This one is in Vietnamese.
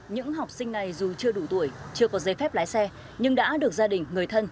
những học sinh này dù chưa đủ tuổi chưa có giấy phép lái xe nhưng đã được gia đình người thân